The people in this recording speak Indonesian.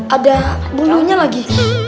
ada bulunya lagi